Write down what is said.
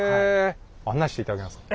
案内して頂けますか？